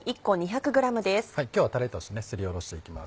今日はたれとしてすりおろしていきます。